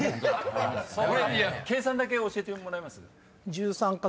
計算だけ教えてもらえます？